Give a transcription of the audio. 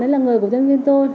đấy là người của nhân viên tôi